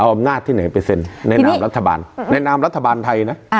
เอาอำนาจที่ไหนไปเซ็นแนะนำรัฐบาลแนะนำรัฐบาลไทยนะ